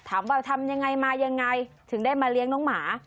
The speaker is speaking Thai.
ถามว่าทำอย่างไรมาอย่างไรถึงได้มาเลี้ยงน้องหมา